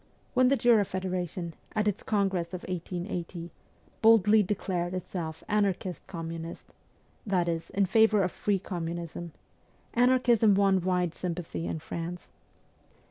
When the Jura Federation, at its congress of 1880, boldly declared itself anarchist communist that is, in favour of free communism anarchism won wide sympathy in France.